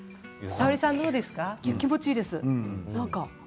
気持ちいいです。